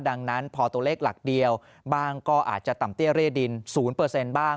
ดังนั้นพอตัวเลขหลักเดียวบ้างก็อาจจะต่ำเตี้ยเร่ดิน๐บ้าง